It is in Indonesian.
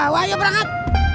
wah ayo berangkat